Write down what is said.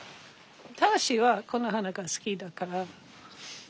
正はこの花が好きだから。